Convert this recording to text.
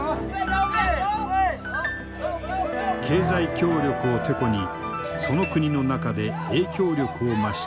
経済協力をてこにその国の中で影響力を増していく中国。